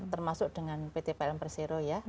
termasuk dengan pt pln persero ya